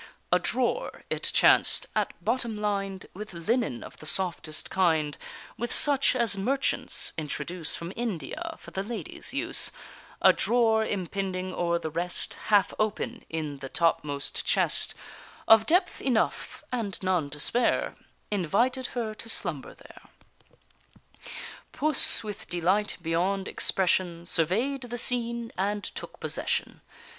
A drawer, it chanced, at bottom lined With linen of the softest kind, With such as merchants introduce From India, for the ladies' use, A drawer impending o'er the rest, Half open in the topmost chest, Of depth enough, and none to spare, Invited her to slumber there; Puss with delight beyond expression, Survey'd the scene, and took possession.